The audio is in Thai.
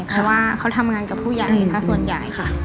เพราะว่าเขาทำงานกับผู้ใหญ่ซะส่วนใหญ่ค่ะ